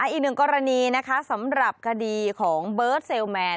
อีกหนึ่งกรณีนะคะสำหรับคดีของเบิร์ตเซลแมน